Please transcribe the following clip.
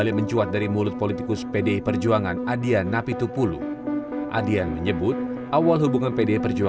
puan menyakini presiden jokowi tidak akan berinisiatif melanggar konstitusi yang sudah ada